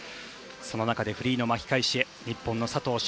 その中でフリーの巻き返しへ日本の佐藤駿